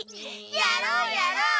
やろうやろう！